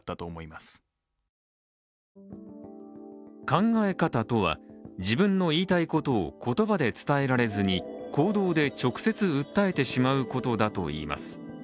考え方とは、自分の言いたいことを言葉で伝えられずに行動で直接訴えてしまうことだといいます。